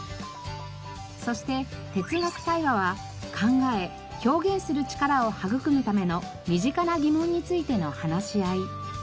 そして哲学対話は考え表現する力を育むための身近な疑問についての話し合い。